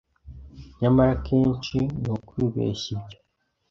Nyamara akenshi nukwibeshya ibyo